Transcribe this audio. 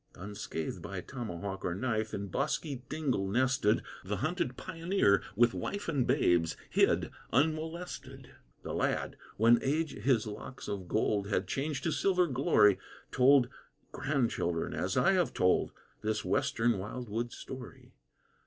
Unscathed by tomahawk or knife, In bosky dingle nested, The hunted pioneer, with wife And babes, hid unmolested. The lad, when age his locks of gold Had changed to silver glory, Told grandchildren, as I have told, This western wildwood story.